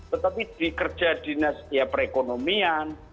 tetapi di kerja dinas perekonomian